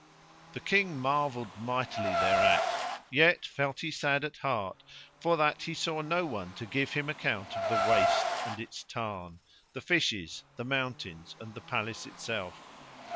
The King marvelled mightily thereat, yet felt he sad at heart for that he saw no one to give him account of the waste and its tarn, the fishes, the mountains and the palace itself.